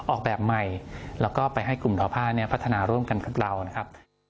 ออกแบบใหม่แล้วก็ไปให้กลุ่มดอผ้าเนี่ยพัฒนาร่วมกันกับเรานะครับ